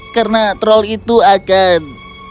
karena troll itu akan